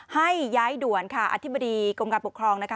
ให้ย้ายด่วนค่ะอธิบดีกรมการปกครองนะคะ